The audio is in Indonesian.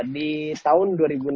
di tahun dua ribu enam belas